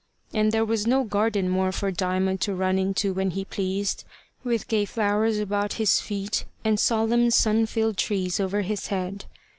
And there was no garden more for Diamond to run into when he pleased, with gay flowers about his feet, and solemn sun filled trees over his head.